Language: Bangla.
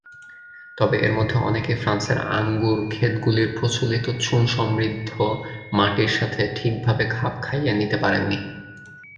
তবে এর মধ্যে অনেকেই ফ্রান্সের আঙ্গুর-ক্ষেতগুলির প্রচলিত চুন সমৃদ্ধ মাটির সাথে ঠিকভাবে খাপ খাইয়ে নিতে পারেনি।